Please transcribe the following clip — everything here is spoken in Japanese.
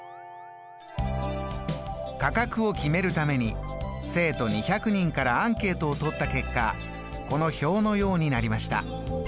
価格を決めるために生徒２００人からアンケートを取った結果この表のようになりました。